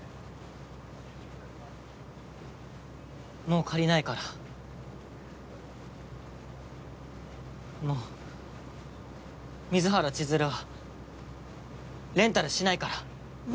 もう借りないからもう水原千鶴はレンタルしないから！